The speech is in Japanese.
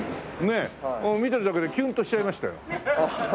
ねえ見てるだけでキュンとしちゃいましたよ。